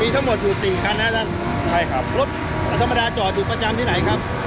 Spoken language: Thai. ทั้งหมดอยู่สี่คันนะท่านใช่ครับรถธรรมดาจอดอยู่ประจำที่ไหนครับ